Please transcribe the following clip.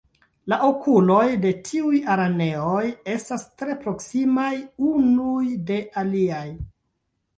La okuloj de tiuj araneoj estas tre proksimaj unuj de aliaj.